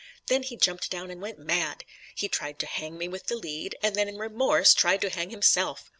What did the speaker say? Then he jumped down and went mad. He tried to hang me with the lead, and then in remorse tried to hang himself.